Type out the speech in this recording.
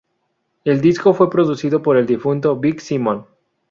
El disco fue producido por el difunto Big Simon.